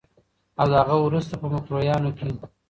او د هغه وروسته په مکروریانو کې